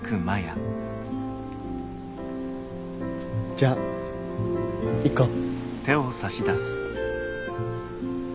じゃ行こう。